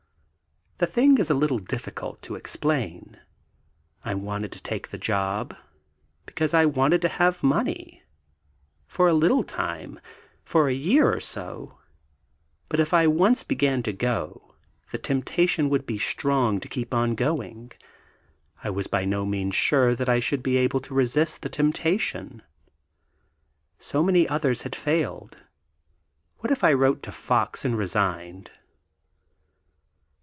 The thing is a little difficult to explain, I wanted to take the job because I wanted to have money for a little time, for a year or so, but if I once began to go, the temptation would be strong to keep on going, and I was by no means sure that I should be able to resist the temptation. So many others had failed. What if I wrote to Fox, and resigned?...